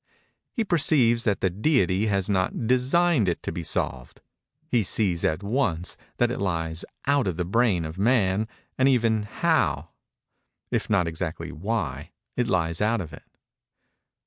He perceives that the Deity has not designed it to be solved. He sees, at once, that it lies out of the brain of man, and even how, if not exactly why, it lies out of it.